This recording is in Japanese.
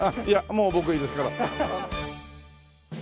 もう僕いいですから。